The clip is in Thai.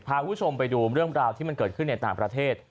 พาคุณผู้ชมไปดูเรื่องราวที่มันเกิดขึ้นในต่างประเทศ